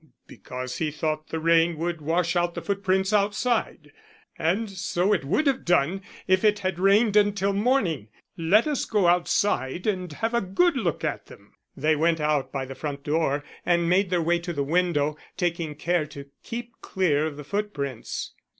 "Because he thought the rain would wash out the footprints outside. And so it would have done if it had rained until morning. Let us go outside and have a good look at them." They went out by the front door and made their way to the window, taking care to keep clear of the footprints.